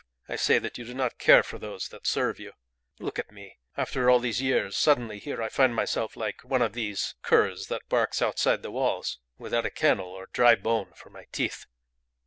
I say that you do not care for those that serve you. Look at me! After all these years, suddenly, here I find myself like one of these curs that bark outside the walls without a kennel or a dry bone for my teeth.